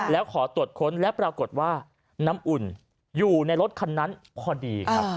แล้วขอตรวจค้นและปรากฏว่าน้ำอุ่นอยู่ในรถคันนั้นพอดีครับ